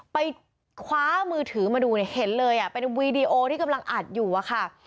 ไปคว้ามือถือมาดูเนี่ยเห็นเลยอ่ะเป็นวีดีโอที่กำลังอัดอยู่อะค่ะ